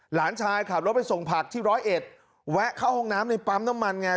หลานชายขับรถไปส่งผักที่ร้อยเอ็ดแวะเข้าห้องน้ำในปั๊มน้ำมันไง